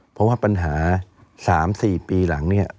เพราะว่าปัญหา๓๔ปีหลังเนี่ย